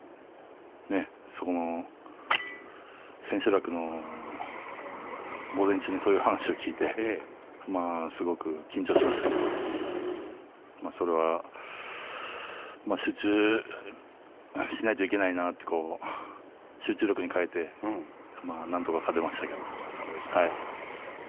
千秋楽の午前中にそういう話を聞いてすごく緊張しましたけれどそれは集中をしないといけないなと集中力に変えてなんとか勝てました。